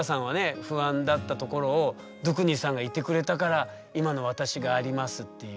不安だったところをドゥクニさんがいてくれたから今の私がありますっていう。